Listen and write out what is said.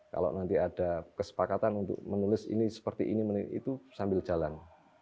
kalau nanti ada kesepakatan untuk menulis ini seperti ini itu sambil jalan